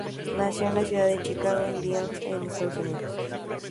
Nació en la ciudad de Chicago en Illinois en Estados Unidos.